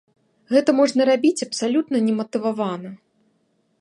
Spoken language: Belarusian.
Гэта можна рабіць абсалютна нематывавана.